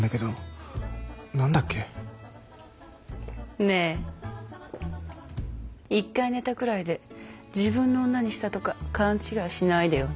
ねえ１回寝たくらいで自分の女にしたとか勘違いしないでよね。